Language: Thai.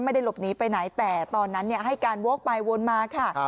ไม่ได้หลบหนีไปไหนแต่ตอนนั้นให้การโว๊คไปวนมาค่ะ